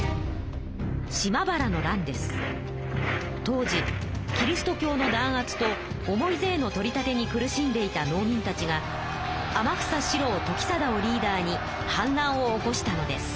当時キリスト教のだん圧と重い税の取り立てに苦しんでいた農民たちが天草四郎時貞をリーダーに反乱を起こしたのです。